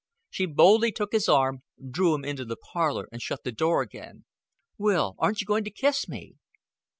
She boldly took his arm, drew him into the parlor and shut the door again. "Will aren't you going to kiss me?"